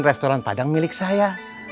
restoran padang milik saya